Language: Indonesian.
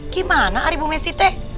gimana ari bu messi teh